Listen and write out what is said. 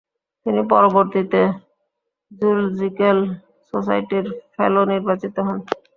তিনি পরবর্তীতে জ্যুলজিক্যাল সোসাইটির ফেলো নির্বাচিত হন।